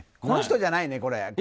この人じゃないね。